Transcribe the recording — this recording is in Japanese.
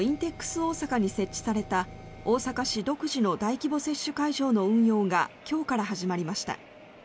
大阪に設置された大阪市独自の大規模接種会場の運用が今日から始まりました。